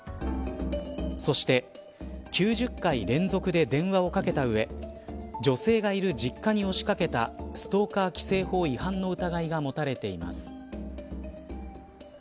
そして９０回連続で電話をかけた上女性がいる実家に押しかけたストーカー規制法違反の疑いが持たれています。